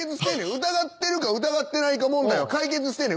疑ってるか疑ってないか問題は解決してんねん。